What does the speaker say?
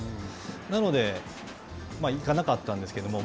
なので行かなかったんですけれども。